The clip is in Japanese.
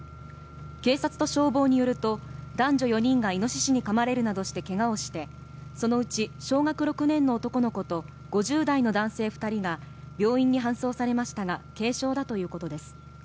警察と消防によると男女４人がイノシシにかまれるなどしてケガをしてそのうち小学６年の男の子と５０代の男性２人が病院に搬送されましたが軽傷だということです。